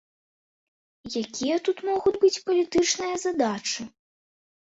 Якія тут могуць быць палітычныя задачы?